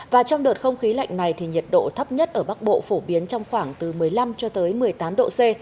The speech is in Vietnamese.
và trong đợt không khí lạnh này thì nhiệt độ thấp nhất ở bắc bộ phổ biến trong khoảng từ một mươi năm cho tới một mươi tám độ c